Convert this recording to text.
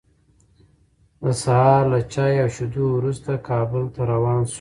د سهار له چای او شیدو وروسته، کابل ته روان شوو.